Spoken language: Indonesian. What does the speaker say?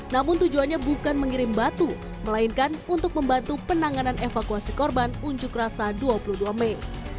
namun tujuannya bukan mengirim batu melainkan untuk membantu penanganan evakuasi korban unjuk rasa dua puluh dua mei